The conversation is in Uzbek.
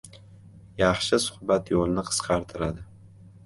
• Yaxshi suhbat yo‘lni qisqartiradi.